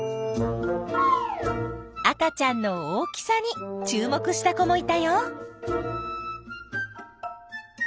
赤ちゃんの大きさに注目した子もいたよ。